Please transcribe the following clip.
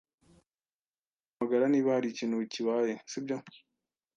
Uzampamagara niba hari ikintu kibaye, sibyo?